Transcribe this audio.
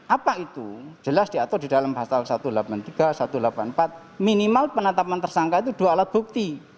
apa itu jelas diatur di dalam pasal satu ratus delapan puluh tiga satu ratus delapan puluh empat minimal penetapan tersangka itu dua alat bukti